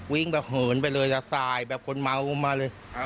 วิ่งแบบเหินไปเลยจะสายแบบคนเมามาเลย